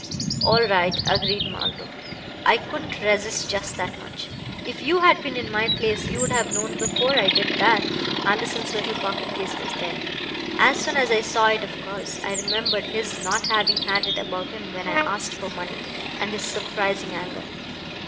"All right," agreed Marlowe. "I couldn't resist just that much. If you had been in my place you would have known before I did that Manderson's little pocket case was there. As soon as I saw it, of course, I remembered his not having had it about him when I asked for money, and his surprising anger.